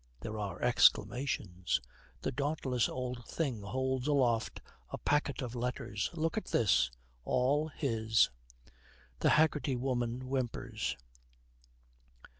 There are exclamations. The dauntless old thing holds aloft a packet of letters. 'Look at this. All his.' The Haggerty Woman whimpers.